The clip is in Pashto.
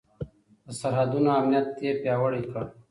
د سرحدونو امنيت يې پياوړی کړ.